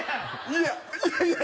いやいやいや！